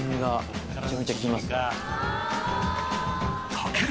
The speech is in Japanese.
武尊